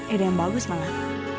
ada yang bagus malah